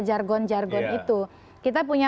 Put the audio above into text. jargon jargon itu kita punya